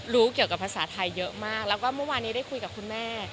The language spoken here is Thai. เกี่ยวกับภาษาไทยเยอะมากแล้วก็เมื่อวานนี้ได้คุยกับคุณแม่